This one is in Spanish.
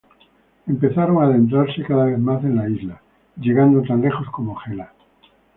Empezaron a adentrarse cada vez más en la isla, llegando tan lejos como Gela.